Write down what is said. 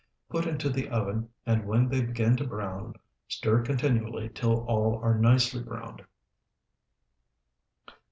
Put into the oven, and when they begin to brown, stir continually till all are nicely browned.